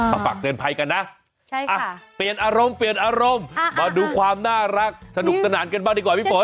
เอาปากเตือนภัยกันนะเปลี่ยนอารมณ์มาดูความน่ารักสนุกตนานกันมากดีกว่าพี่ฝน